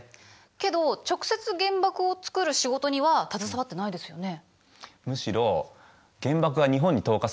けど直接原爆を作る仕事には携わってないですよね？